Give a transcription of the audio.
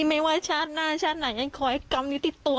ไม่ว่าชาติหน้าชาติไหนยังขอให้กรรมนี้ติดตัว